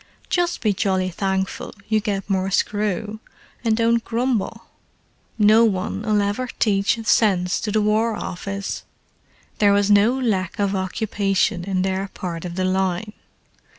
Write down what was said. "Just be jolly thankful you get more screw, and don't grumble. No one'll ever teach sense to the War Office!" There was no lack of occupation in their part of the line.